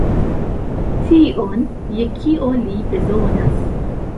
Tion, je kio li bezonas.